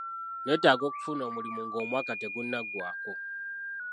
Neetaaga okufuna omulimu ng'omwaka tegunnaggwako.